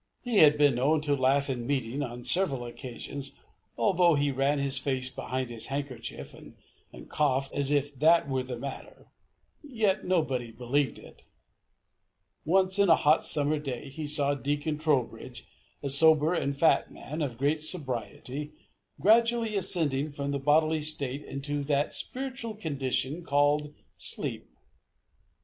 He had been known to laugh in meeting on several occasions, although he ran his face behind his handkerchief, and coughed, as if that was the matter, yet nobody believed it. Once, in a hot summer day, he saw Deacon Trowbridge, a sober and fat man, of great sobriety, gradually ascending from the bodily state into that spiritual condition called sleep.